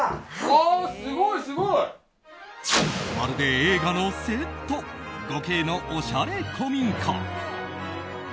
まるで映画のセット５Ｋのおしゃれ古民家。